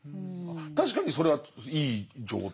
確かにそれはいい状態。